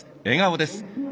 笑顔です。